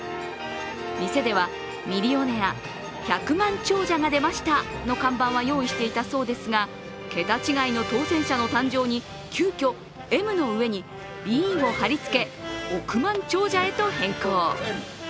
店では「ミリオネア＝百万長者が出ました」の看板は用意していたそうですが、桁違いの当選者の誕生に急きょ、Ｍの上にＢを貼り付け、億万長者へと変更。